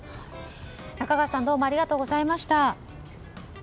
中川さんどうもありがとうございました。